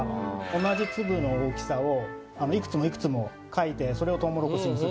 同じ粒の大きさをいくつもいくつも描いてそれをトウモロコシにする。